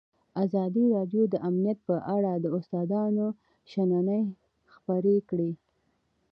ازادي راډیو د امنیت په اړه د استادانو شننې خپرې کړي.